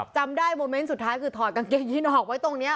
จำได้โมเมนต์สุดท้ายคือถอดกางเกงยินออกไว้ตรงนี้